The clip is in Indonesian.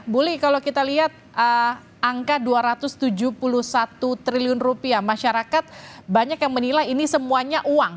bu li kalau kita lihat angka dua ratus tujuh puluh satu triliun rupiah masyarakat banyak yang menilai ini semuanya uang